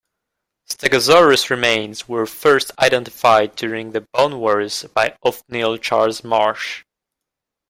"Stegosaurus" remains were first identified during the "Bone Wars" by Othniel Charles Marsh.